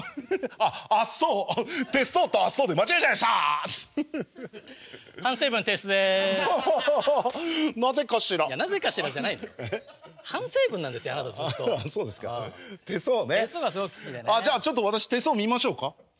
あっじゃあちょっと私手相見ましょうか？え？